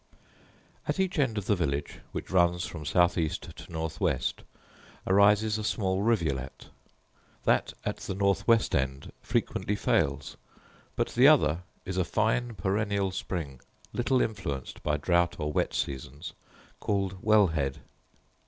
At each end of the village, which runs from south east to north west, arises a small rivulet: that at the north west end frequently fails; but the other is a fine perennial spring, little influenced by drought or wet seasons, called Well head.